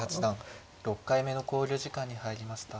６回目の考慮時間に入りました。